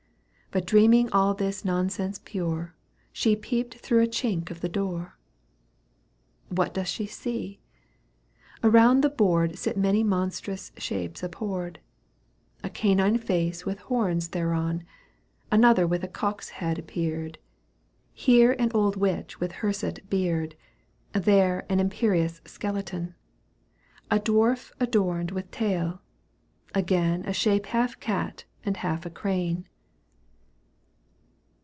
But deeming aU. this nonsense pure, У She peeped through a chink of the door. What doth she see ? Around the board Sit many monstrous shapes abhorred. A canine face with horns thereon. Another with cock^s head appeared. Here an old witch with hirsute beard, There an imperious skeleton ; A dwarf adorned with tail, again A shape half cat and half a crane.